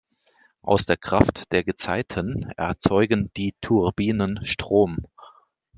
Aus der Kraft der Gezeiten erzeugen die Turbinen Strom.